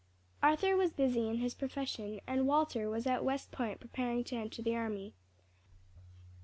Arthur was busy in his profession, and Walter was at West Point preparing to enter the army.